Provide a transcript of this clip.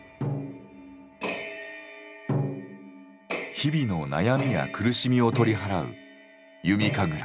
日々の悩みや苦しみを取り払う弓神楽。